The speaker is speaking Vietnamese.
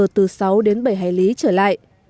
từ sáu đến bảy hải lý trở lại